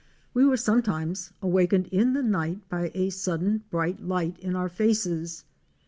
We were sometimes awakened in the night by a sudden bright light in our faces.